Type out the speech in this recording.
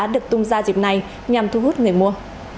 được tung ra dịp này nhằm thu hút người mua